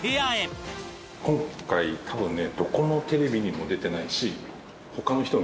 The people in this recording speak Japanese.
今回多分ね「」